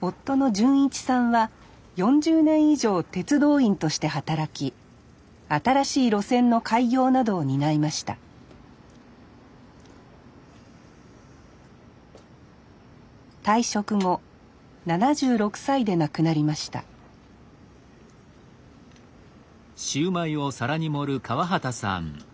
夫の潤一さんは４０年以上鉄道員として働き新しい路線の開業などを担いました退職後７６歳で亡くなりましたウフッ。